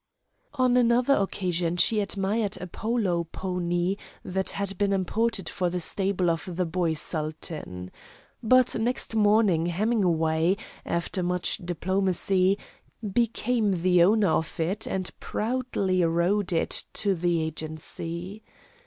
On another occasion she admired a polo pony that had been imported for the stable of the boy Sultan. But next morning Hemingway, after much diplomacy, became the owner of it and proudly rode it to the agency.